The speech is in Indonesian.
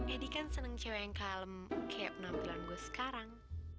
edi kan seneng cewek yang kalem kayak penampilan gue sekarang